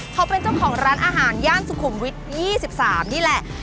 เขาเป็นเจ้าของร้านอาหารย่านสุขุมวิทย์๒๓นี่แหละ